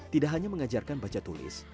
tidak hanya mengajarkan baca tulis